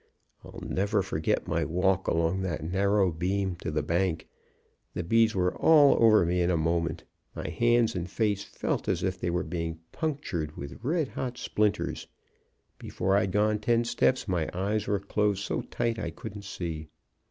"I'll never forget my walk along that narrow beam to the bank. The bees were all over me in a moment. My hands and face felt as if they were being punctured with red hot splinters. Before I'd gone ten steps my eyes were closed so tight I couldn't see.